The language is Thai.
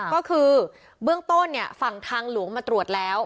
ก็คือเบื้องต้นฝั่งทางหลวงมาตรวจแล้ว